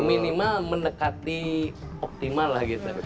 gimana menekati optimal lah gitu